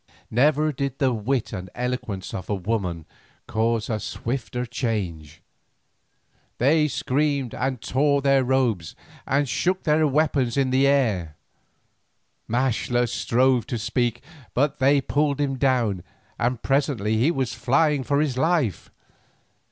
Never did the wit and eloquence of a woman cause a swifter change. They screamed and tore their robes and shook their weapons in the air. Maxtla strove to speak, but they pulled him down and presently he was flying for his life.